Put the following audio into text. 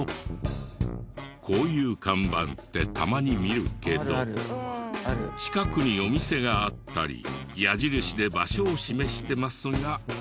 こういう看板ってたまに見るけど近くにお店があったり矢印で場所を示してますがこれは。